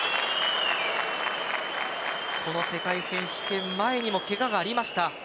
この世界選手権前にもけががありました。